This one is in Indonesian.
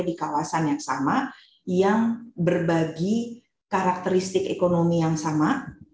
di kawasan yang sama yang berbagi karakteristik ekonomi yang sama